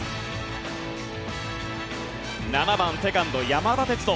７番セカンド、山田哲人。